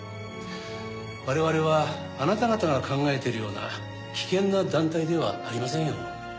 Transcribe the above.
我々はあなた方が考えているような危険な団体ではありませんよ。